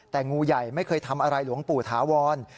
แต่งูใหญ่ไม่เคยทำอะไรหลวงปู่ถาวร